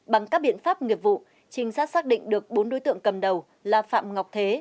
bằng các biện pháp nghiệp vụ trinh sát xác định được bốn đối tượng cầm đầu là phạm ngọc thế